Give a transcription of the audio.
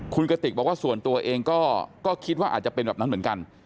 คุณกติกบอกว่าส่วนตัวเองก็คิดว่าอาจจะเป็นแบบนั้นเหมือนกัน